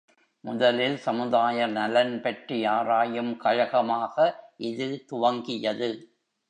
முதலில் சமுதாய நலன்பற்றி ஆராயும் கழகமாக இது துவங்கியது.